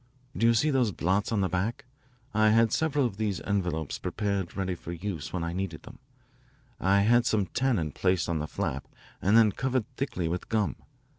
"Do you see those blots on the back? I had several of these envelopes prepared ready for use when I needed them. I had some tannin placed on the flap and then covered thickly with gum.